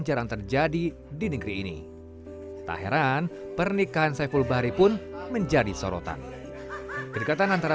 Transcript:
jarang terjadi di negeri ini tak heran pernikahan saiful bahri pun menjadi sorotan kedekatan antara